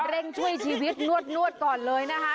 ช่วยชีวิตนวดก่อนเลยนะคะ